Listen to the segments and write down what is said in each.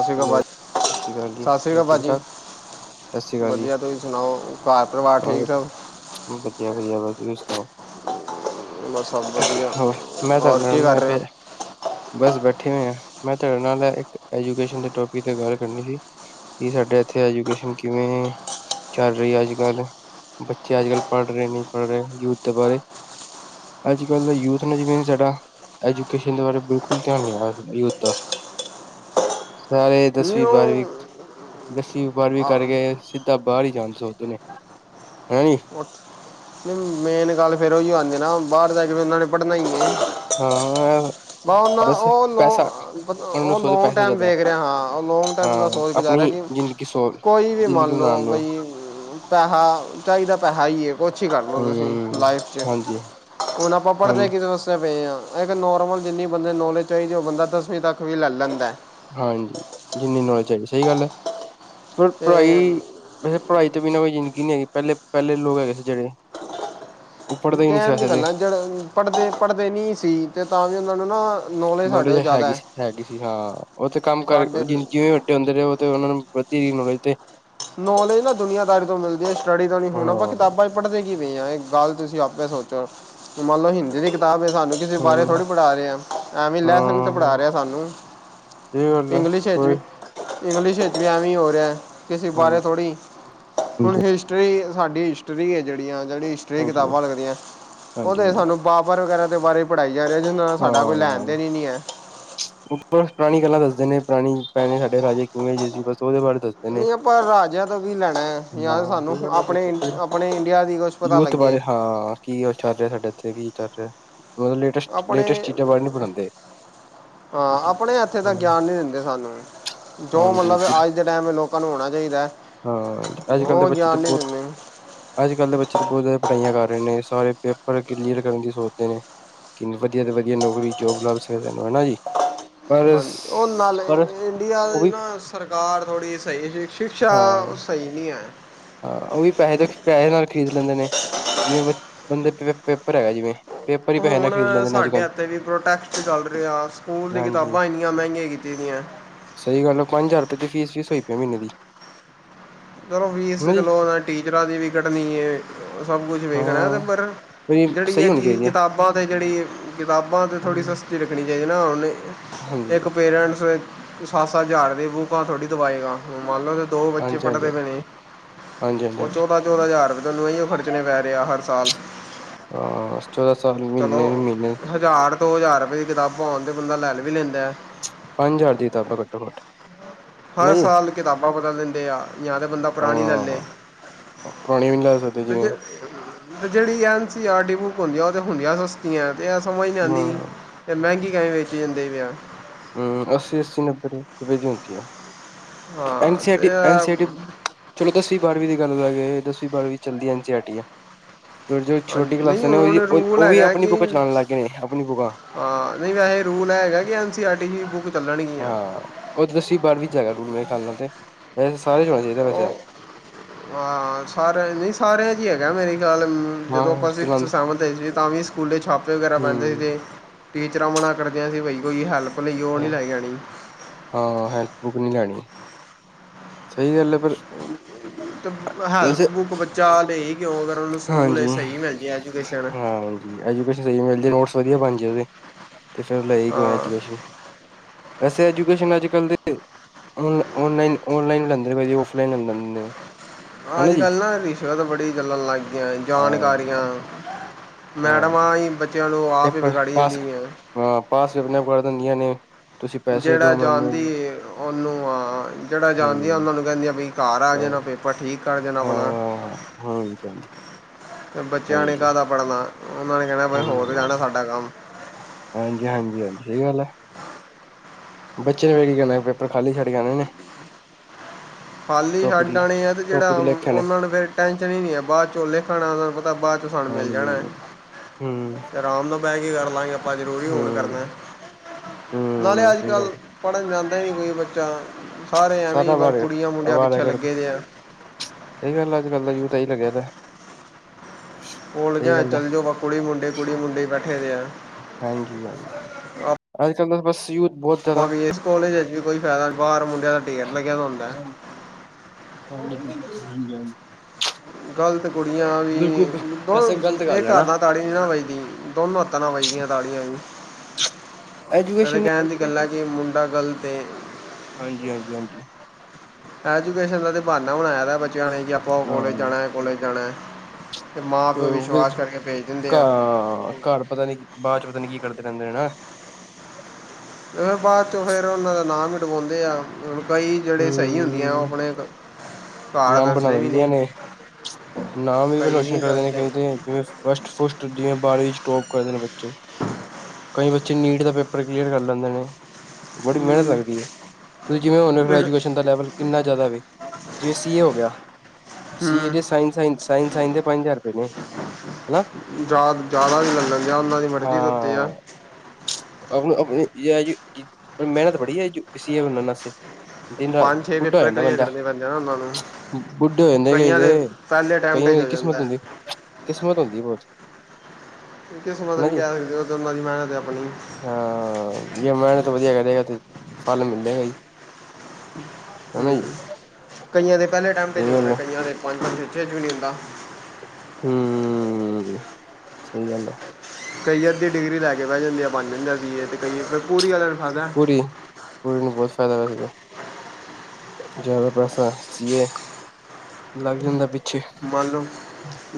ਸਤਿ ਸ਼੍ਰੀ ਅਕਾਲ ਹੈਲੋ ਭਾ ਸਤਿ ਸ਼੍ਰੀ ਅਕਾਲ ਜੀ ਸਤਿ ਸ੍ਰੀ ਹੋਰ ਅਕਾਲ ਠੀਕ ਭਾਜੀ। ਠਾਕ ਸਤਿ ਸ਼੍ਰੀ ਵਧੀਆ ਤੁਸੀਂ ਸੁਣਾਓ ਘਰ ਪਰਿਵਾਰ ਅਕਾਲ ਠੀਕ ਜੀ ਸਭ। ਵਧੀਆ ਵਧੀਆ ਬਸ ਤੁਸੀਂ ਸੁਣਾਓ। ਬਸ ਸਭ ਵਧੀਆ ਹੋਰ ਮੈਂ ਤੁਹਾਡੇ ਹੋਰ ਕੀ ਨਾਲ ਕਰ ਰਹੇ ਹੋ ਇੱਕ, ਬਸ ਬੈਠੇ ਹੋਏ ਆ। ਮੈਂ ਤੁਹਾਡੇ ਨਾਲ ਇੱਕ ਐਜੂਕੇਸ਼ਨ ਟੋਪਿਕ ਤੇ ਗੱਲ ਕਰਨੀ ਸੀ ਕਿ ਸਾਡੇ ਇੱਥੇ ਐਜੂਕੇਸ਼ਨ ਕਿਵੇਂ ਚੱਲ ਰਹੀ ਅੱਜ ਕੱਲ੍ਹ ਬੱਚੇ ਅੱਜ ਕੱਲ੍ਹ ਪੜ੍ਹ ਰਹੇ ਨਹੀਂ ਪੜ੍ਹ ਰਹੇ ਯੂਥ ਦੇ ਬਾਰੇ। ਅੱਜ ਕੱਲ੍ਹ ਦਾ ਯੂਥ ਨੇ ਜਿਵੇਂ ਸਾਡਾ ਐਜੂਕੇਸ਼ਨ ਦੇ ਬਾਰੇ ਬਿਲਕੁਲ ਧਿਆਨ ਨਹੀਂ ਆ ਸਕਦਾ ਯੂਥ ਦਾ। ਸਾਰੇ ਦਸਵੀਂ ਨਿਊ ਬਾਰਵੀਂ। ਦਸਵੀਂ ਬਾਰਵੀਂ ਕਰਕੇ ਸਿੱਧਾ ਬਾਹਰ ਹੀ ਜਾਣ ਸੋਚਦੇ ਨੇ ਹੈ ਨੀ। [unintelligible] ਮੇਨ ਗੱਲ ਫੇਰ ਉਹੀ ਗੱਲ ਆਉਂਦੀ ਨਾ ਬਾਹਰ ਜਾ ਕੇ ਉਹਨਾ ਨੇ ਪੜ੍ਹਨਾ ਈ ਹੈ। ਹਾਂ ਬਸ ਪੈਸਾ ਉਹਨਾਂ ਨੂੰ ਉਹ-ਉਹੋਂ-ਉਹ ਸੋਦੇ ਲੋਂਂਗ ਪੈਸਾ ਟਾਈਮ ਜ਼ਿਆਦਾ ਹੈ ਵੇਖ ਰਿਹਾ ਹਾਂ। ਉਹ ਲੋਂਂਗ ਟਾਈਮ ਦਾ ਹਾਂ ਸੋਚ ਕੇ ਜਾ ਰਿਹਾ ਆਪਣੀ ਕਿ। ਜ਼ਿੰਦਗੀ ਸੋ ਕੋਈ ਵੀ ਜ਼ਿੰਦਗੀ ਮੰਨ ਲਓ ਬਣਾਉਣ ਨੂੰ ਬਈ। ਪੈਸਾ, ਚਾਹੀਦਾ ਪੈਸਾ ਹੀ ਹੈ, ਕੁਛ ਹੀ ਕਰ ਲਉ ਤੁਸੀਂ। ਹਮ ਲਾਈਫ 'ਚ। ਹਾਂਜੀ ਹੁਣ ਆਪਾਂ ਹ ਪੜ੍ਹਦੇ ਕਿਦੇ ਵਾਸਤੇ। ਪਏ ਹਾਂ। ਇੱਕ ਨੋਰਮਲ ਜਿਨੀ ਬੰਦੇ ਨੂੰ ਨੌਲੇਜ ਚਾਹੀਦੀ। ਉਹ ਬੰਦਾ ਦਸਵੀਂ ਤੱਕ ਵੀ ਲੈ ਲੈਂਦਾ। ਹਾਂਜੀ, ਜਿੰਨੀ ਨੌਲੇਜ ਹੈ। ਸਹੀ ਗੱਲ ਹੈ ਪਰ ਤੇ ਪੜ੍ਹਾਈ। ਵੈਸੇ ਪੜ੍ਹਾਈ ਤੋਂ ਬਿਨਾਂ ਕੋਈ ਜ਼ਿੰਦਗੀ ਨੀ ਹੈਗੀ, ਪਹਿਲੇ- ਪਹਿਲੇ ਲੋਕ ਹੈਗੇ ਸੀ ਜਿਹੜੇ। ਉਹ ਪੜ੍ਹਦੇ ਹੀ ਨਹੀਂ ਸੀ ਕਹਿਣ ਵੈਸੇ ਦੀ ਦੇ ਗੱਲਾਂ ਜ ਪੜ੍ਹਦੇ ਪੜ੍ਹਦੇ ਨਹੀਂ ਸੀ ਤੇ ਤਾਂ ਵੀ ਉਹਨਾਂ ਨੂੰ ਨਾ। ਨੌਲੇਜ ਸਾਡੇ ਮੁੰਡੇ ਤੋਂ ਜ ਜ਼ਿਆਦਾ ਹੈਗੀ ਹੈ ਸੀ ਹੈਗੀ ਸੀ ਹਾਂ ਉੱਥੇ ਕੰਮ ਸਾਡੇ ਕਰਕੇ ਜਿ ਜਿਵੇਂ ਹੁੰਦੇ ਤੇ ਉਹਨਾਂ ਨੂੰ ਪ੍ਰਤੀ ਨੌਲੇਜ ਤੇ। ਨੌਲੇਜ ਨਾ ਦੁਨੀਆਂਦਾਰੀ ਤੋਂ ਮਿਲਦੀ ਹੈ ਸਟੱਡੀ ਤੋਂ ਨਹੀਂ ਹੁਣ ਆਪਾ ਹਾਂ ਕਿਤਾਬਾਂ। ਪੜ੍ਹਦੇ ਕੀ ਪਏ ਆ। ਇਹ ਗੱਲ ਤੁਸੀਂ ਆਪੇ ਸੋਚੋ ਮੰਨ ਲਓ ਹਿੰਦੀ ਦੀ ਕਿਤਾਬ ਹੈ। ਸਾਨੂੰ- ਕਿਸੇ ਬਾਰੇ ਹਾਂ ਥੋੜ੍ਹੀ ਪੜ੍ਹਾ ਰਹੇ ਆ ਐਵੇਂ ਲੈਸਨ ਤੇ ਹਾਂ ਪੜ੍ਹਾ ਰਿਹਾ ਸਾਨੂੰ। ਸਹੀ ਗੱਲ ਹੈ ਇੰਗਲਿਸ਼ ਵਿੱਚ ਕੋਈ। ਵੀ ਇੰਗਲਿਸ਼ ਵਿੱਚ ਵੀ ਐਵੇਂ ਹੀ ਹੋ ਰਿਹਾ ਕਿਸੇ ਬਾਰੇ ਹਾਂਜੀ ਥੋੜ੍ਹੀ। ਹੁਣ ਹਾਂਜੀ ਹਿਸਟਰੀ ਸਾਡੀ ਹਿਸਟਰੀ ਹੈ। ਜਿਹੜੀ ਆ ਜਿਹੜੀ ਤੇ ਹਾਂਜੀ ਕਿਤਾਬਾਂ ਲੱਗਦੀਆਂ ਹਾਂਜੀ ਉਹਦੇ ਚ ਹਾਂਜੀ ਸਾਨੂੰ ਬਾਬਰ ਵਗੈਰਾ ਦੇ ਬਾਰੇ। ਪੜ੍ਹਾਈ ਜਾ ਰਹੇ ਨੇ ਨਾ ਸਾਡਾ ਕੋਈ ਹਾਂ ਲੈਣ ਦੇਣ ਹੀ ਨਹੀਂ ਹੈ। ਉਹ ਬਸ ਪੁਰਾਣੀ ਗੱਲਾਂ ਦੱਸਦੇ ਨੇ ਪੁਰਾਣੀ ਪੁਰਾਣੇ ਸਾਡੇ ਰਾਜੇ ਕਿਵੇ ਜੇਹੇ ਸੀ ਬਸ। [unintelligible] ਨਹੀਂ ਆਪਾਂ ਰਾਜਿਆਂ ਤੋਂ ਕੀ ਲੈਣਾ ਹੈ ਯਾ ਤੇ ਹਾਂ ਸਾਨੂੰ ਸਹੀ ਗੱਲ ਹੈ ਆਪਣੇ ਇ ਬਿਲਕੁਲ। ਆਪਣੇ ਇੰਡੀਆ ਦੀ ਕੁਛ। ਪਤਾ ਯੂਥ ਬਾਰੇ ਲੱਗੇ ਹਾਂ ਕੀ ਉਹ ਕੀ ਅੱਛਾ ਸਾਡੇ ਚੱਲ ਰਿਹਾ ਸਾਡੇ ਇੱਥੇ ਕੀ ਚੱਲ ਰਿਹਾ ਲੇਟੈਸਟ। ਆਪਣੇ ਲੇਟੈਸਟ ਚੀਜਾ ਕੋਈ ਨਹੀ ਪੜਾਉਂਦੇ। ਹਾਂ ਆਪਣੇ ਏਥੇ ਦਾ ਗਿਆਨ ਨੀ ਦਿੰਦੇ ਸਾਨੂੰ। ਜੋ ਮਤਲਬ ਹਾਂਜੀ ਅੱਜ ਦੇ ਟਾਈਮ ਲੋਕਾਂ ਨੂੰ ਹੋਣਾ ਚਾਹੀਦਾ ਹੈ ਹਾਂ ਅੱਜ ਕੱਲ੍ਹ ਦੇ ਉਹ ਬੱਚੇ ਗਿਆਨ ਤਾਂ ਨੀ ਬਹੁਤ ਦਿੰਦੇ। ਅੱਜ ਕੱਲ੍ਹ ਦੇ ਬੱਚੇ ਤਾਂ ਬਹੁਤ ਜ਼ਿਆਦਾ ਪੜ੍ਹਾਈਆਂ ਕਰ ਰਹੇ ਨੇ ਸਾਰੇ ਪੇਪਰ ਕਲੀਅਰ ਕਰਨ ਦੀ ਸੋਚਦੇ ਨੇ। ਕਿੰਨੀ ਵਧੀਆ ਤੋਂ ਵਧੀਆ ਨੌਕਰੀ ਜੋਬ ਲੱਭ ਸਕਦੇ ਨੇ ਹਨਾ ਜੀ। ਪਰ ਹਾਂਜੀ ਉਹ ਨਾਲੇ ਪਰ ਇੰਡੀਆ ਉਹ ਦੀ ਵੀ ਨਾ ਸਰਕਾਰ ਥੋੜੀ ਸਹੀ ਜਿਹੀ। ਸ਼ਿਕਸ਼ਾ ਹਾਂ ਸਹੀ ਨਹੀਂ ਹੈ। ਹਾਂ ਉਹ ਵੀ ਪੈਹੇ ਦੇ ਪੈਹੇ ਨਾਲ ਖਰੀਦ ਲੈਂਦੇ ਨੇ ਜਿਵੇਂ ਬੰਦੇ ਪੇਪਰ ਹੈਗਾ ਜਿਵੇਂ। ਪੇਪਰ ਹੀ ਪੈਸੇ ਨਾਲ ਹੁਣ ਖਰੀਦ ਲੈਂਦੇ ਨੇ ਅੱਜ ਸਾਡੇ ਕੱਲ੍ਹ ਇੱਥੇ ਵੀ ਪ੍ਰੋਟੈਸਟ ਚੱਲ ਰਿਹਾ ਸਕੂਲ ਦੀ ਹਾਂਜੀ ਕਿਤਾਬਾਂ ਇੰਨੀਆਂ ਮਹਿੰਗੀਆਂ ਕੀਤੀ ਦੀਆਂ। ਸਹੀ ਗੱਲ ਹੈ ਪੰਜ ਹਜ਼ਾਰ ਰੁਪਏ ਤੇ ਫੀਸ ਵੀਸ ਹੋਈ ਪਈ ਮਹੀਨੇ ਦੀ। ਚਲੋ ਫੀਸ ਤੇ ਹਨਾ ਜੀ ਚਲੋ ਟੀਚਰਾਂ ਦੀ ਵੀ ਕੱਢਣੀ ਹੈ ਸਭ ਕੁੱਛ ਵੇਖਣਾ ਤੇ ਹਾਂ ਪਰ। ਵੀ ਜਿਹੜੀ ਸਹੀ ਇਹ ਹੋਣੀ ਚੀਜ਼ ਚਾਹੀਦੀ ਹੈ ਕਿਤਾਬਾਂ ਤੇ ਜਿਹੜੀ ਕਿਤਾਬਾਂ ਤੇ ਥੋੜੀ ਹਾਂਜੀ ਸਸਤੀ। ਰੱਖਣੀ ਚਾਹੀਦੀ ਨਾ ਉਹਨੀ ਹਾਂਜੀ ਇੱਕ ਪੇਰੈਂਟਸ ਵਿਚ। ਸੱਤ ਸੱਤ ਹਜ਼ਾਰ ਦੀ ਬੂਕਾਂ ਥੋੜੀ ਦਵਾਏਗਾ। ਮੰਨ ਲਓ ਦੋ ਬੱਚੇ ਹਾਂਜੀ ਹਾਂਜੀ ਹਾਂਜੀ ਪੜਦੇ ਪਏ ਨੇ ਹਾਂਜੀ ਓਹ ਹਾਂਜੀ ਚੌਦਾਂ, ਚੌਦਾਂ ਹਜ਼ਾਰ ਰਪਏ ਤੋ ਉਇਓ ਖਰਚਣੇ ਪੈ ਰਿਹਾ ਹਰ ਸਾਲ। ਹਾਂ, ਚੌਦਾਂ ਹਜਾਰ ਚਲੋ ਮਹੀਨੇ ਦੇ ਮਹੀਨੇ। ਹਜ਼ਾਰ ਤੋਂ ਹਜ਼ਾਰ ਰੁਪਏ ਦੀ ਕਿਤਾਬਾਂ ਆਉਣ ਤੇ ਬੰਦਾ ਲੈ ਵੀ ਲੈਂਦਾ ਹੈ। ਪੰਜ ਹਜ਼ਾਰ ਦੀ ਕਿਤਾਬਾਂ ਘੱਟੋ ਘੱਟ। ਹਨਾ ਹਰ ਜੀ ਸਾਲ ਕਿਤਾਬਾਂ ਬਦਲ ਦਿੰਦੇ ਆ ਜਾਂ ਤਾਂ ਬੰਦਾ ਪੁਰਾਣੀ ਲੈ ਲੇ। ਪੁਰਾਣੀਆਂ ਵੀ ਨਹੀਂ ਲੈ ਸਕਦੇ ਤੇ ਜੇ ਜਿਵੇਂ। ਤੇ ਜਿਹੜੀ N C R T book ਹੁੰਦੀਆਂ ਉਹ ਤੇ ਹੁੰਦੀਆਂ ਸਸਤੀਆਂ ਤੇ ਇਹ ਸਮਝ ਨੀ ਹਾਂ ਆਉਂਦੀ। ਤੇ ਮਹਿੰਗੀ ਕਾਤੇ ਵੇਚੀ ਜਾਂਦੇ ਪਏ ਆ। ਹਮ ਅੱਸੀ ਅਸੀ ਨੱਬੇ ਰੁਪਏ ਦੀ ਹੁੰਦੀਆਂ। ਐਨ ਹਾਂ ਸੀ ਆਰ ਤੇ ਟੀ ਐਨ ਸੀ ਆਰ ਇਹ ਟੀ ਚਲੋ ਦਸਵੀਂ ਬਾਰਵੀਂ ਦੀ ਗੱਲ ਲੀਏ ਦਸਵੀ ਬਾਰਵੀ ਚ ਚੱਲਦੀ ਐਨ ਸੀ ਆਰ ਟੀ ਆ। ਜੋ ਹਾਂ, ਛੋਟੀ ਨਹੀਂ ਕਲਾਸਾਂ ਨੇ ਹੁਣ ਉਹ ਰੂਲ ਉਹ ਵੀ ਹੈਗਾ ਆਪਣੀ ਕਿ ਬੁੱਕ ਛਪਾਣ ਲੱਗ ਪਏ ਆਪਣੀ ਬੁੱਕਾਂ ਹਾਂ ਨਹੀਂ ਵੈਸੇ ਰੂਲ ਹੈਗਾ ਕਿ N C R T book ਚੱਲਣਗੀਆਂ। ਹਾਂ ਉਹ ਦੱਸਵੀ ਬਾਰਵੀਂ ਚ [unintelligible] ਉਹ ਹਾਂ ਸਾਰਿਆਂ ਨਹੀਂ ਸਾਰਿਆਂ ਚ ਹੀ ਹੈਗਾ ਮੇਰੀ ਖਿਆਲ ਜਦੋ ਹਾਂ ਆਪਾ ਸੀਕਸ ਚਲਾਂਦੇ ਸੈਵਨ ਇਚ ਸੀ ਤਾਂ ਵੀ ਸਕੂਲੇ ਛਾਪੇ ਵਗੈਰਾ ਪੈਦੇ ਹੂੰ ਸੀਗੇ। ਟੀਚਰਾਂ ਮਨਾ ਕਰਦੀਆਂ ਸੀ ਬਈ ਕੋਈ ਹੈਲਪ ਲਈ ਉਹ ਨੀ ਹਾਂ ਲੈ ਕੇ ਆਣੀ ਹਾਂ ਹੈਲਪ ਬੁੱਕ ਨੀ ਲੈਣੀ ਸਹੀ ਗੱਲ ਏ ਪਰ ਹੈਲਪ ਵੈਸੇ ਬੁਕ ਬੱਚਾ ਲਏ ਹੀ ਕਿਉਂ ਅਗਰ ਉਹਨੂੰ ਹਾਂਜੀ ਸਕੂਲ ਸਹੀ ਮਿਲ ਜੇ ਏਜੂਕੇਸ਼ਨ। ਹਾਂਜੀ ਐਜੂਕੇਸ਼ਨ ਜੇ ਸਹੀ ਮਿਲਦੀ ਨੋਟਸ ਵਧੀਆ ਬਣ ਜਾਓਗੇ ਤੇ ਫੇਰ ਲਏ ਕਿਓ ਹਾਂ ਐਜੂਕੇਸ਼ਨ ਵੈਸੇ ਐਜੂਕੇਸ਼ਨ ਅਜ ਕਲ ਦੇ ਔਨ ਔਨਲਾਈਨ ਔਨਲਾਈਨ ਲੈਂਦੇ ਭਾਜੀ ਓਫਲਾਈਨ [unintelligible] ਅਜ ਕੱਲ ਨਾ ਰਿਸ਼ਵਤਤ ਬੜੀ ਚੱਲਣ ਲੱਗੀਆਂ ਹਾਂ ਜਾਣਕਾਰੀਆਂ ਹਾਂ ਮੈਡਮਾਂ ਈ ਬੱਚ ਪੇਪਰ ਪਾਸ ਪਾਸ ਆਪਣੇ ਆਪ ਕਰਾ ਦਿੰਦੀਆਂ ਨੇ। ਤੁਸੀਂ ਪੈਸੇ ਜਿਹੜਾ ਦੋ ਮੈਨੂੰ ਜਾਂਦੀ ਹੂੰ ਉਹਨੂੰ ਆ ਜਿਹੜਾ ਹਾਂ ਜਾਂਦੀ ਆ ਉਹਨਾਂ ਨੂੰ ਕਹਿੰਦੀ ਆ ਬਈ ਘਰ ਆ ਜਾਣਾ ਹਾਂਜੀ ਪੇ ਆਪਾਂ ਠੀਕ ਕਰਦੇ ਣਾ ਆਪਣਾ [unintelligible] ਤੇ ਬੱਚਿਆਂ ਨੇ ਕਾਦਾ ਪੜ੍ਹਨਾ ਉਹਨਾਂ ਨੇ ਕਹਿਣਾ ਬਸ ਹੋ ਤੇ ਜਾਣਾ ਸਾਡਾ ਕੰਮ। ਹਾਂਜੀ ਹਾਂਜੀ ਹਾਂਜੀ ਸਹੀ ਗੱਲ ਏ ਬੱਚੇ [unintelligible] ਕੀ ਕਰਨਾ ਪੇਪਰ ਖਾਲੀ ਛੱਡ ਕੇ ਆਨੇ ਨੇ [unintelligible] ਟੋਪਿਕ ਛੱਡ ਆਉਣੀ ਆ ਤੇ ਜਿਹੜਾ ਟੋਪਿਕ ਲਿਖ ਕੇ ਆਣੇ ਉਹਨਾ ਨੂੰ ਫੇਰ ਟੈਨਸ਼ਨ ਹੀ ਨੀ ਆ ਬਾਅਦ ਚੋਂ [unintelligible] ਪਤਾ ਬਾਅਦ ਸਾਨੂੰ ਹੂੰ ਮਿਲ ਜਾਣਾ ਹੈ। ਹੂੰ ਤੇ ਆਰਾਮ ਨਾਲ - [unintelligible] ਲਾਗੇ ਆਪਾਂ ਜ਼ਰੂਰੀ ਹੁਣ ਕਰਨਾ ਹੂੰ ਨਾਲੇ ਹੂੰ ਅੱਜ ਸਹੀ ਗੱਲ ਕੱਲ ਪੜ੍ਹਨ ਜਾਂਦੇ ਨਹੀਂ ਕੋਈ ਬੱਚਾ ਸਾਰੇ ਐਵੇਂ ਈ ਬਸ ਕੁੜੀਆਂ ਮੁੰਡਿਆਂ ਆਵਾਰਾ ਪਿੱਛੇ ਗਰਦੀ ਲੱਗੇ ਦੇ ਆ ਸਹੀ ਗੱਲ ਅੱਜ ਕੱਲ ਦਾ ਯੂਥ ਇ ਲੱਗਿਆ ਦਾ ਐ। ਕੋਲਜਾਂ ਚ ਚੱਲ ਜੋ‌ ਬ ਕੁੜੀ ਮੁੰਡੇ ਕੁੜੀ ਮੁੰਡੇ ਈ ਬੈਠੇ ਦੇ ਆਂ ਹਾਂਜੀ ਹਾਂਜੀ ਅੱਜ ਕੱਲ ਤਾਂ ਬਸ ਯੂ [unintelligible] ਕੋਲੇਜ ਵਿੱਚ ਵੀ ਕੋਈ ਫਾਇਦਾ ਨਹੀਂ ਬਾਹਰ ਮੁੰਡਿਆਂ ਦਾ ਢੇਰ ਲੱਗਿਆ ਦਾ ਹੁੰਦਾ। [unintelligible] ਹਾਂਜੀ ਹਾਂਜੀ ਗ਼ਲਤ ਕੁੜੀਆਂ ਵੀ ਬਹੁ ਵੈਸੇ ਗ਼ਲਤ ਗੱਲ ਇਕ ਹੈ ਹਾਥ ਨਾ ਤਾੜੀ ਨੀ ਨਾ ਵਜਦੀ ਦੋਨੋਂ ਹੱਥਾਂ ਨਾਲ ਵਜਦੀਆ ਤਾੜੀਆਂ ਵੀ। [unintelligible] ਐਤੇ ਐਜੂਕੇਸ਼ਨ ਕਹਿਣ ਦੀ ਗੱਲਾਂ ਜੇ ਮੁੰਡਾ ਗਲਤ ਏ ਹਾਂਜੀ ਹਾਂਜੀ ਹਾਂਜੀ। ਐਜੂਕੇਸ਼ਨ ਦਾ ਤੇ ਬਹਾਨਾ ਬਣਾਇਆ ਹੋਇਆ ਦਾ ਏ ਬੱਚਿਆਂ ਨੇ ਕਿ ਆਪਾਂ ਓਹ ਕੋਲੇਜ ਹਾਂ ਜਾਣਾ ਇਹ ਕੋਲੇਜ ਜਾਣਾ। ਤੇ ਮਾਂ ਪਿਓ ਵੀ ਵਿਸ਼ਵਾਸ ਕਰਕੇ ਭੇਜ ਦਿੰਦੇ ਘ ਆ। ਘਰ ਪਤਾ ਨੀ ਬਾਅਦ ਚ ਪਤਾ ਨੀ ਕੀ ਕਰਦੇ ਰਹਿੰਦੇ ਨੇ ਹਨਾ ਉਹ ਬਾਅਦ 'ਚੋਂ ਫੇਰ ਉਹਨਾਂ ਦਾ ਨਾਂ ਵੀ [unintelligible] ਆ ਹੁਣ ਕਈ ਜਿਹੜੇ ਸਹੀ ਹੁੰਦੀਆਂ ਉਹ ਹਮ ਆਪਣੇ ਘਾਰ ਨਾਮ ਬਣਾ ਦੱਸਦੇ ਵੀ ਦਿੰਦੀਆਂ ਨਹੀ। ਨੇ ਨਾਮ ਵੀ ਰੋਸ਼ਨ ਕਰਦੇ ਨੇ ਕਈ ਤੇ ਜਿਵੇਂ ਫਸਟ ਫੁਸਟ ਜਿਵੇਂ ਬਾਰਵੀਂ ਚ ਟੋਪ ਕਰਦੇ ਨੇ ਬੱਚੇ ਕਈ ਬੱਚੇ ਨੀਟ ਦਾ ਪੇਪਰ ਕਲੀਅਰ ਕਰ ਲੈਂਦੇ ਨੇ ਬੜੀ ਮਿਹਨਤ ਹੂੰ ਲੱਗਦੀ ਏ। ਤੁਸੀਂ ਜਿਵੇਂ ਹੁਣ ਫਿਰ- ਗੈ੍ਜੂਏਸ਼ਨ ਦਾ ਲੈਵਲ ਕਿੰਨਾ ਜ਼ਿਆਦਾ ਵੇ ਜਿਵੇਂ ਸੀ ਏ ਹੋ ਗਿਆ ਸੀਏ ਹੂੰ ਦੇ ਸਾਇੰਨ ਸਾਇੰਨ ਸਾਇੰਨ ਸਾਇੰਨ ਦੇ ਪੰਜ ਹਜ਼ਾਰ ਰੁਪਏ ਨੇ। ਹਨਾ ਜਾ ਜਿਆਦਾ ਵੀ ਲ ਲੈਣਿਆ ਉਹਨਾਂ ਦੀ ਮਰਜ਼ੀ ਦੇ ਉਤੇ ਆ ਹਾਂ ਆਪ ਆਪਣੀ ਮਿਹਨਤ ਬੜੀ ਹੈ ਇਸੇ ਦਿਨ ਰਾਤ ਪੰਜ ਛੇ ਬੁੱਡਾ ਹੋ ਪੇਪਰ ਜਾਂਦਾ ਕਲੀਅਰ ਬੰਦਾ ਕਰਨੇ ਪੈਂਦੇ ਆ ਨਾ ਉਹਨਾਂ ਨੂੰ ਬੁੱਡੋ ਹੋ ਜਾਂਦੇ ਕਈ ਕਈਆਂ ਤੇ ਦੇ ਪਹਿਲੇ ਕਈਆਂ ਅਟੈਂਪਟ 'ਚ ਦੀ ਹੋ ਕਿਸਮਤ ਜਾਂਦਾ ਹੈ ਹੁੰਦੀ ਏ ਕਿਸਮਤ ਹੁੰਦੀ ਬਹੁਤ ਕਿਸਮਤ ਹਨਾ ਨੀ ਜੀ ਕਹਿ ਸਕਦੇ ਉਹ ਉਹਨਾਂ ਦੀ ਮਿਹਨਤ ਆਪਣੀ। ਹਾਂ ਜੇ ਮਿਹਨਤ ਵਧੀਆ ਕਰੇਗਾ ਤੇ ਫਲ ਮਿਲੇਗਾ ਈ। ਹੂੰ ਕਈਆਂ ਦੇ ਪੈਲੇ ਟੈਮ ਤੇ ਸਹੀ ਗੱਲ ਹੁੰਦਾ ਹੈ ਕਈਆ ਪੰਜ-ਪੰਜ 'ਚ ਵੀ ਨਈ ਹੁੰਦਾ। ਹੂੰ ਸਹੀ ਗੱਲ ਹੈ। ਕਰਈਅਰ ਦੀ ਡਿਗਰੀ ਲੈ ਕੇ ਬਹਿ ਜਾਂਦੇ ਆ ਬਣ ਜਾਂਦੇ [unintelligible] ਪੂਰੀ-ਪੂਰੀ ਨੂੰ ਬਹੁਤ ਫਾਇਦਾ ਵੈਸੇ ਤੇ ਜ਼ਿਆਦਾ ਪੈਸਾ ਸੀਏ ਲੱਗ ਜਾਂਦਾ ਪਿੱਛੇ ਮੰਨ ਲੋ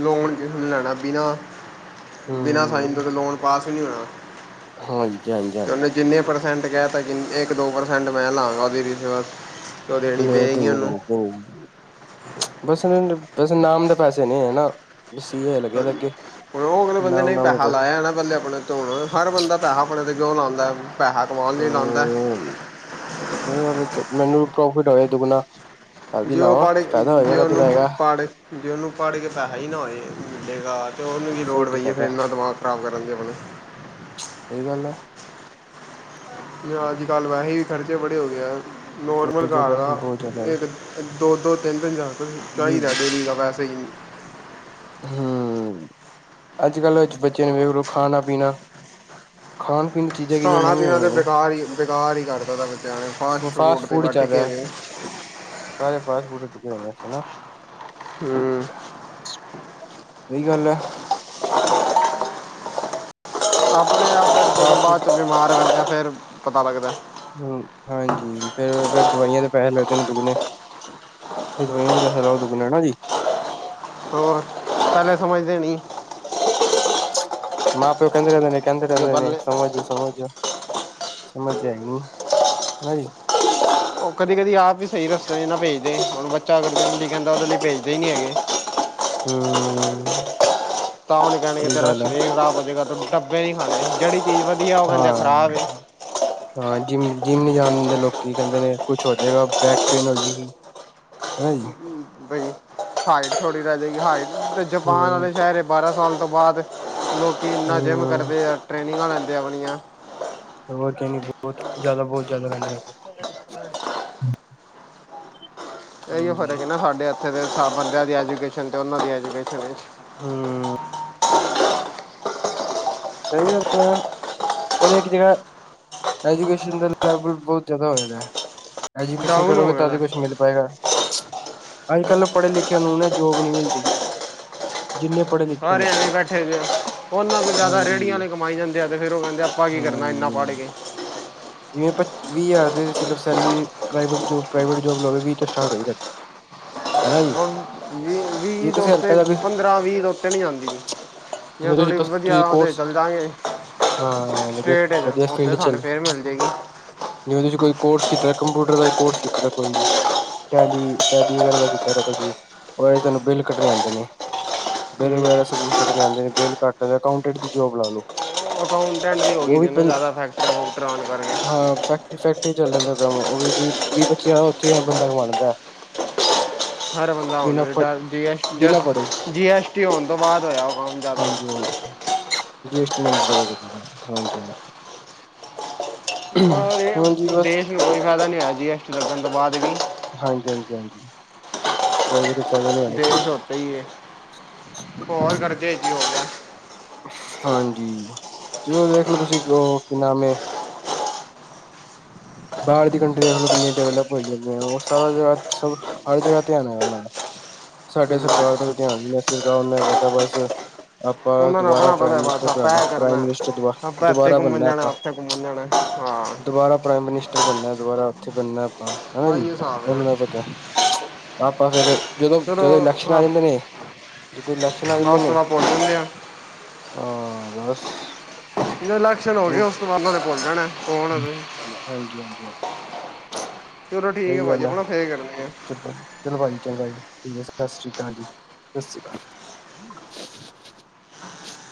ਲੋਨ ਜਿੰਨੇ ਲੈਣਾ ਬਿਨਾਂ-ਬਿਨਾਂ ਸਾਈਨ ਹਮ ਦਾ ਦੇ ਲੋਨ ਪਾਸ ਤੇ ਕੀ ਹੋਯਾ ਹਾਂਜੀ ਹਾਂਜੀ ਤੇ ਹਾਂਜੀ ਉਨੇ ਜਿੰਨੇ ਪਰਸੈਂਟ ਕੈਤਾ। ਇੱਕ ਦੋ ਪਰਸੈਂਟ ਮੈਂ ਲਾਂਗਾ ਉਦੇ ਰਿਚਾਰਜ ਲੇਟ ਏਨੀ [unintelligible] ਬਸ-ਬਸ ਨਾਮ ਦੇ ਪੈਸੇ ਨੇ ਹਨਾ। [inaudible] ਹਾਂਜੀ ਹੂੰ ਉਹ ਅਗਲੇ ਬੰਦੇ ਨਾਮ ਨੇ ਨਾਮ ਦੇ ਪੈਹਾ ਪੈਸੇ ਲਾਇਆ ਨਾ। ਪੈਂਲਾ ਆਪਣੇ ਤੋ ਹਰ ਬੰਦਾ ਪੈਹਾ ਆਪਣੇ ਤੇ ਕਿਉ ਲਾਂਦਾ ਪੈਹਾ ਕਮਾਉਣ ਲਈ ਲਾਂਦਾਂ। ਹਮ ਸਹੀ ਵਿਚ ਮੈਨੂੰ ਪ੍ਰੋਫਿਟ ਹੋਵੇ ਦੁੱਗਣਾ ਤਦ ਈ ਜੇ ਉਹ ਲਾਵਾਂ ਪੜ੍ਹ ਫਾਇਦਾ ਜੇ ਹੋਏਗਾ ਤਦ ਈ ਉਹਨੂੰ ਲਏਗਾ। ਪੜ੍ਹ ਜੇ ਉਹਨੂੰ ਪੜ੍ਹ ਕੇ ਪੈਹਾ ਹੀ ਨਾ ਹੋਏ ਮਿਲੇਗਾ ਤੇ ਉਹਨੂੰ ਵੀ ਲੋੜ ਕੀ ਪਈ ਏ ਫਿਰ ਫਾਇਦਾ ਏਨਾ ਦਿਮਾਗ [inaudible] ਸਹੀ ਗੱਲ ਏ। ਯਾਰ ਅੱਜ ਕੱਲ੍ਹ ਵੈਸੇ ਵੀ ਖਰਚੇ ਬੜੇ ਹੋ ਗਏ ਆ ਨੋਰਮਲ ਬਹੁਤ ਜ਼ਿਆਦਾ ਘਰ ਦਾ ਹੁਣ ਬਹੁਤ ਜ਼ਿਆਦਾ ਇੱਕ ਦੋ-ਦੋ ਤਿੰਨ-ਤਿੰਨ ਹਜਾਰ ਰੁਪਏ ਵੀ ਚਾਹੀਦਾ ਡੇਲੀ ਦਾ ਵੈਸੇ ਈ। ਹਾਂ ਅੱਜ ਕੱਲ੍ਹ ਵਿੱਚ ਬੱਚਿਆਂ ਨੂੰ ਵੇਖ ਲੋ ਖਾਣਾ ਪੀਣਾ ਖਾਣ ਪੀਣ ਚੀਜ਼ਾਂ ਕਿੰਨੀਆਂ ਖਾਣਾ ਮਹਿੰਗੀਆਂ ਪੀਣਾ ਹੋਈਆਂ ਤੇ ਬੇਕਾਰ ਹੀ ਬੇਕਾਰ ਹੀ ਕਰਦਾ ਦਾ ਫਾਸਟ ਨੇ ਫੂਡ ਤੇ ਹੀ ਚੱਲ ਵਟਕੇੇ ਰਿਹਾ ਦੇ ਸਾਰੇ ਫਾਸਟ ਫੂਡ ਟਿਕੇ ਹੋਏ ਨੇ ਹਨਾ [unintelligible] ਹੂੰ ਸਹੀ ਗੱਲ ਐ। ਆਪਣੇ ਆਪ ਜਦੋਂ ਫਾਸਟ ਫੂਡ ਬਾਅਦ 'ਚ ਬਿਮਾਰ ਹੋਏ ਫਿਰ ਪਤਾ ਲੱਗਦਾ। ਹੂੰ ਹਾਂਜੀ ਫੇਰ ਫਿਰ ਦਵਾਈਆਂ ਦੇ ਪੈਹੇ ਲੱਗਦੇ ਨੇ ਦੁਗਣੇ ਫਿਰ ਦਵਾਈਆਂ ਦੇ ਪੈਹੇ ਲਾਉ ਦੁਗਾਣੇ ਹਨਾ ਜੀ। ਹੋਰ ਪੈਲੇ ਸਮਝਦੇ ਨੀ। ਮਾਂ ਪਿਓ ਕੈਂਦੇ ਰੈਂਦੇ ਨੇ ਕੈਂਦੇ ਜੇ ਰੈਂਦੇ ਨੇ ਪਹਿਲੇ ਸਮਝ ਝੋ-ਸਮਝ ਝੋ। ਸਮਝਦੇ ਹੈ ਈ ਨੀ ਹਨਾ ਜੀ। ਉਹ ਕਦੀ-ਕਦੀ ਆਪ ਵੀ ਸਹੀ ਰਸਤਿਆਂ 'ਚ ਨਾ ਭੇਜਦੇ ਹੁਣ ਬੱਚਾ ਅਗਰ ਜਿੰਮ ਲਈ ਕੈਂਦਾ ਉਹਦੇ ਲਈ ਭੇਜਦੇ ਹੀ ਨਹੀਂ ਹੈਗੇ। ਹੂੰ ਤਾਂ ਉਹਨੇ ਕਹਿਣ ਕਿ ਤੇਰਾ ਸਰੀਰ ਖਰਾਬ ਹੋ ਜਾਏਗਾ ਡੱਬੇ ਨੀ ਖਾਣੇ ਜਿਹੜੀ ਚੀਜ਼ ਵਧੀਆ ਉਹ ਕਹਿੰਦੇ ਹਾਂ ਖਰਾਬ ਹੈ ਹਾਂ ਜਿੰਮ-ਜਿੰਮ ਨੀ ਜਾਣ ਦਿੰਦੇ ਲੋਕੀ ਕੈਂਦੇ ਨੇ ਕੁਛ ਹੋ ਜਾਏਗਾ ਬੈਕ ਪੇਨ ਹੋ ਜਾਏਗੀ। ਹਨਾ ਜੀ। ਬਈ ਹਾਈਟ ਥੋੜੀ ਰਏ ਜਾਏਗੀ ਹਾਈਟ ਜਪਾਨ ਹਮ ਵਾਲੇ ਸ਼ਹਿਰ ਬਾਰਾਂ ਸਾਲ ਤੋਂ ਬਾਅਦ ਲੋਕੀ ਇੰਨਾ ਜਿੰਮ ਹੂੰ, ਕਰਦੇ ਆ ਟ੍ਰੇਨਿੰਗਾਂ ਲੈਂਦੇ ਆ ਆਪਣੀਆਂ ਹੋਰ ਬੋਤ ਟ੍ਰੇਨਿੰਗ ਬਹੁਤ ਜਾਦਾ ਬੋਤ ਜਾਦਾ ਲੈਂਦੇ ਨੇ ਉਥੇ ਇਹੀਉ ਹਾਂਜੀ। ਫਰਕ ਆ ਨਾ ਸਾਡੇ ਇੱਥੇ ਦੇ ਸਾਬ ਬੰਦਿਆਂ ਦੀ ਐਜੂਕੇਸ਼ਨ ਤੇ ਉਹਨਾਂ ਦੀ ਐਜੂਕੇਸ਼ਨ 'ਚ ਹੂੰ ਸਹੀ ਗੱਲ ਏ। ਪਰ ਇੱਕ ਜਗ੍ਹਾ ਐਜੂਕੇਸ਼ਨ ਦਾ ਲੈਵਲ ਬਹੁਤ ਜਾਦਾ ਹੋਆ ਦਾ। ਐਜੂਕੇਸ਼ਨ ਡਾਊਨ ਹੋ ਕਰੋਗੇ ਗਿਆ ਤਦ ਈ ਨਾ। ਕੁਛ ਮਿਲ ਪਾਏਗਾ। ਅੱਜ ਕੱਲ੍ਹ ਪੜ੍ਹੇ ਲਿਖੇ ਨੂੰ ਜੋਬ ਨੀ ਮਿਲਦੀ। ਜਿੰਨੇ ਪੜੇ ਸਾਰੇ ਏਵੀ ਬੈਠੇ ਦੇ। ਉਹਨਾਂ ਤੋ ਜ਼ਿਆਦਾ ਰੇਹੜੀਆਂ ਹਾਂਜੀ। ਵਾਲੇ ਕਮਾਈ ਜਾਂਦੇ ਆ, ਤੇ ਫਿਰ ਉਹ ਕਹਿੰਦੇ ਆਪਾਂ ਕੀ ਕਰਨਾ ਹਾਂ, ਇੰਨਾ ਪੜ ਕੇ। ਜਿਵੇਂ ਪਚ ਵੀਹ ਹਜ਼ਾਰ ਤੇ ਸਿਰਫ salary private job private job ਲਵੇ ਵੀਹ ਤੋਂ ਸਟਾਰਟ ਹੋਈ ਤੁਹਾਡੀ। [inaudible] ਵੀਹ ਜੇ ਵੀਹ ਤੁਸੀਂ ਹਲਕਾ ਤੋਤੇ ਜਾ ਵੀ ਪੰਦਰਾਂ ਵੀਹ ਤੋ ਉਤੇ ਨਹੀਂ ਜਾਂਦੀ ਜਾਂ ਜੇ ਤੁਸੀਂ ਥੋੜੀ ਵਧੀਆ ਤੁਸੀਂ ਤੇ ਕੋਰਸ ਚੱਲ ਜਾਗੇ, ਹਾਂ ਵਧੀਆ ਸਟੇਟ ਚ ਵਧੀਆ ਫੀਲਡ ਉੱਥੇ ਚ ਸਾਨੂੰ ਫੇਰ ਮਿਲ ਜਾਏਗੀ। ਜਿਵੇਂ ਤੁਸੀਂ ਕੋਈ ਕੋਰਸ ਕੀਤਾ ਆ, ਕੰਪਿਊਟਰ ਦਾ ਕੋਰਸ ਕੀਤਾ ਦਾ ਕੋਈ ਵੀ। ਟੈਡੀ ਟੈਡੀ ਵਗੈਰਾ ਦਾ ਕੀਤਾ, ਤੁਸੀਂ ਉਹ ਤੁਹਾਨੂੰ ਬਿੱਲ ਕੱਢਣੇ ਆਉਂਦੇ ਨੇ। ਬਿੱਲ ਵਗੈਰਾ ਹੂੰ ਸਕੂਲ ਕੱਟਣੇ ਆਉਂਦੇ ਨੇ ਬਿੱਲ ਕੱਟ ਅਕਾਊਂਟੈਂਟ ਦੀ ਜੋਬ ਲਾ ਲੋ। ਅਕਾਂਟੈਂਟ ਵੀ ਹੋ ਗਈ ਉਹ ਪੰ ਜ਼ਿਆਦਾ ਫੈਕਟਰੀ ਫੂਕਟਰੀਆ ਵਾਲੇ ਹਾਂ ਫੈਕਟਰੀ ਫੈਕਟਰੀ ਚੱਲ ਜਾਂਦਾ ਕੰਮ ਉਹ ਵੀਹ ਵੀਹ ਪੱਚੀ ਉੱਥੇ ਬੰਦਾ ਕਮਾ ਲੈਂਦਾ ਹੈ। ਹਰ ਪੜ ਬੰਦਾ ਜੀ ਐਸ ਬਿਨਾਂ ਪੜ੍ਹੇ ਜਸਟ ਜੀ ਐ ਟੀ ਹੋਣ ਤੋਂ ਬਾਅਦ ਹੋਇਆ ਉਹ ਕੰਮ ਹਾਂਜੀ ਜ਼ਿਆਦਾ। ਹਾਂ ਜੀ ਐਸਟੀ ਨੰਬਰ ਹਾਂਜੀ ਹਾਂ [inaudible] ਇਹ ਏ ਹਾਂਜੀ ਬਸ ਦੇਸ਼ ਕੋਈ ਫ਼ਾਇਦਾ ਨੀ ਹੋਇਆ, ਜੀ ਐਸ ਟੀ ਲੱਗਣ ਤੋਂ ਬਾਅਦ ਵੀ। ਹਾਂਜੀ, ਹਾਂਜੀ, ਹਾਂਜੀ। ਫਾਇਦਾ ਨੀ ਹੋਇਆ ਦੇ ਸੀ ਹੀ ਸੋਤਾ ਹੀ ਹੈ ਹੋਰ ਕਰਦੇ ਜੀ ਹੋ ਗਏ। ਹਾਂਜੀ ਤੇ ਉਹ ਦੇਖਲੋ, ਤੁਸੀਂ ਉਹ ਕੀ ਨਾਮ ਏ ਬਾਹਰ ਦੀਆਂ ਕੰਟਰੀਆਂ ਕਿੰਨੀਆਂ ਡਿਵੈਲਪ ਹੋ ਜਾਂਦੀਆਂ, ਉਹ ਸਾਰਾ ਜਗ੍ਹਾ ਸ ਹਰ ਜਗ੍ਹਾ ਧਿਆਨ ਹੈਗਾ ਉਹਨਾਂ। ਸਾਡੇ ਹੂੰ। ਸਰਕਾਰ ਦਾ ਕੋਈ ਧਿਆਨ ਨੀ ਅਸੀਂ ਸਰਕਾਰ ਉਹਨੇ ਪਤਾ ਬਸ ਆਪਾਂ ਉਹਨਾਂ ਨੂੰ ਦੁਬਾਰਾ ਆਪਣਾ ਪਤਾ ਪ੍ਰਾਈਮ ਹੈ ਬਸ ਮਨਿਸਟਰ ਆਪਾਂ ਉਣਾ, ਇਹ ਪ੍ਰਾਈਮ ਮਨਿਸਟਰ ਦੁਬਾ ਦੁਬਾਰਾ ਬਣਨਾ ਆਪਾਂ। ਕਿੱਥੇ ਘੁੰਮਣ ਜਾਣਾ, ਹਾਂ। ਦੁਬਾਰਾ ਪ੍ਰਾਈਮ ਮਨੀਸਟਰ ਬਣਨਾ ਦੁਬਾਰਾ ਉੱਥੇ ਬਣਨਾ ਆਪਾਂ ਹਨਾ ਮੈਂ ਜੀ ਇਹ ਹਿਸਾਬ ਹੈ ਨਾ। ਉਹਨੂੰ ਪਤਾ ਆਪਾਂ ਫੇਰ ਜਦੋਂ ਜਦੋਂ ਇਲੈਕਸ਼ਨ ਆ ਜਾਂਦੇ ਨੇ ਜਦੋਂ ਇਲੈਕਸ਼ਨ ਆ ਮੈਂ ਜਾਂਦੇ ਉਸ ਨੇ, ਤੋਂ ਬਾਅਦ ਭੁੱਲ ਜਾਂਦੇ ਆ ਹਾਂ ਬਸ ਜਦੋ ਇਲੈਕਸ਼ਨ ਹੋ ਗਿਆ ਉਸ ਤੋਂ ਬਾਅਦ ਉਹ ਤਾਂ ਭੁੱਲ ਜਾਣਾ। ਕੌਣ ਆ ਤੁਸੀਂ ਹਾਂਜੀ, ਹਾਂਜੀ, ਹਾਂਜੀ। ਚਲੋ ਠੀਕ ਆ ਸਹੀ ਭਾਜੀ ਗੱਲ ਹੈ ਆਪਣਾ ਫੇਰ ਕਰਨ ਆ। ਚਲੋ ਚਲੋ ਭਾਜੀ ਚੰਗਾ ਜੀ ਠੀਕ ਐ, ਸਤਿ ਸ਼੍ਰੀ ਅਕਾਲ ਜੀ, ਸਤਿ ਸ਼੍ਰੀ ਅਕਾਲ।